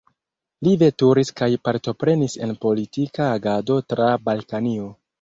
Li veturis kaj partoprenis en politika agado tra Balkanio.